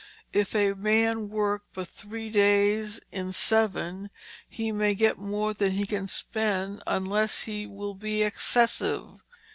If a man worke but three days in seaven hee may get more than hee can spend unless hee will be excessive.